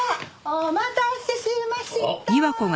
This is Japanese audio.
お待たせしました！